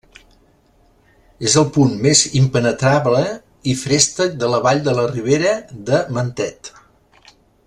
És el punt més impenetrable i feréstec de la vall de la Ribera de Mentet.